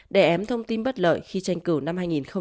để ém thông tin bất lợi khi tranh cử năm hai nghìn một mươi chín